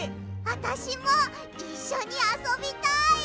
あたしもいっしょにあそびたい！